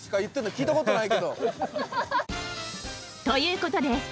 ［ということで］